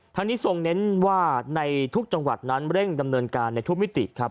ทางนี้ทรงเน้นว่าในทุกจังหวัดนั้นเร่งดำเนินการในทุกมิติครับ